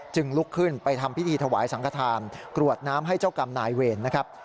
ลุกขึ้นไปทำพิธีถวายสังขทานกรวดน้ำให้เจ้ากรรมนายเวรนะครับ